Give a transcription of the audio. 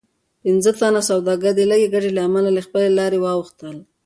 پنځه تنه سوداګر د لږې ګټې له امله له خپلې لارې واوښتل.